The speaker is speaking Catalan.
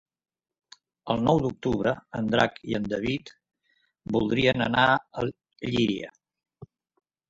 El nou d'octubre en Drac i en David voldrien anar a Llíria.